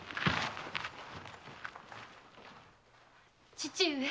父上。